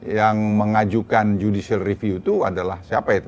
yang mengajukan judicial review itu adalah siapa itu